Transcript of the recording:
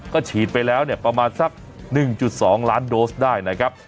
ก็ฉีดไปแล้วเนี่ยประมาณสัก๑๒ล้านโดสได้นะครับ